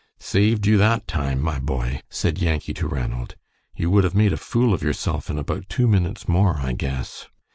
"Saved you that time, my boy," said Yankee to Ranald. "You would have made a fool of yourself in about two minutes more, I guess."